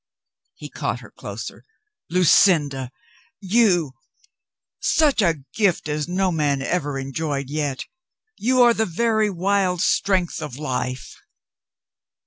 He caught her closer. "Lucinda! You! Such a gift as no man ever enjoyed yet. You are the very wild strength of life."